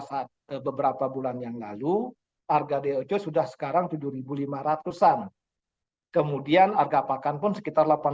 saat beberapa bulan yang lalu harga doc sudah sekarang tujuh ribu lima ratus an kemudian harga pakan pun sekitar